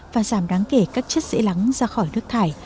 và giảm đáng kể các chất dễ lắng ra khỏi nước thải